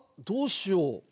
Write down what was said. どうしよう。